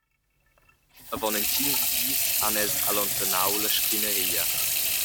Avon entgins gis han els allontanau la scrinaria.